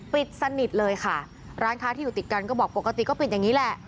ปิดสนิทเลยค่ะร้านค้าที่อยู่ติดกันก็บอกปกติก็ปิดอย่างนี้แหละ